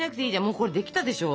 もうこれできたでしょ。